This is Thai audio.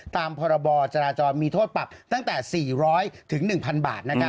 ตามพรบจราจรมีโทษปรับตั้งแต่๔๐๐๑๐๐บาท